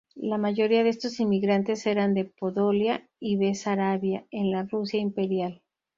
La mayoría de estos inmigrantes eran de Podolia y Besarabia, en la Rusia imperial.